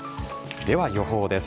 では、予報です。